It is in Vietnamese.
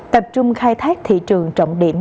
tập trung khai thác thị trường trọng điểm